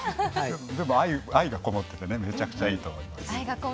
でも、愛がこもっててめちゃくちゃいいと思います。